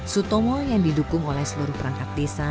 sutomo yang didukung oleh seluruh perangkat desa